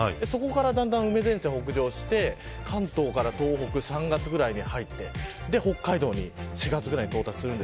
だんだん梅前線が北上して関東から東北３月くらいに入ってそして北海道に４月くらいに到達します。